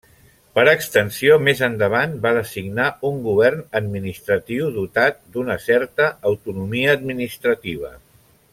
Per extensió, més endavant va designar un govern administratiu dotat d'una certa autonomia administrativa.